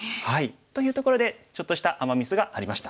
というところでちょっとしたアマ・ミスがありました。